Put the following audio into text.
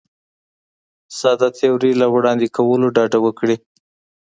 ساده تیورۍ له وړاندې کولو ډډه وکړي.